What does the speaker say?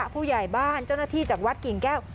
ผู้ใหญ่บ้านเจ้าหน้าที่จากวัดกิ่งแก้ว